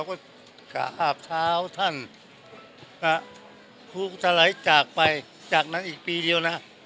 ก็อาบเท้าท่านถูกสลายจากไปจากนั้นอีกปีเดียวนะ